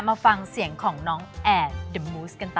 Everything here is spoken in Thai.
โอเคก็แบบนี้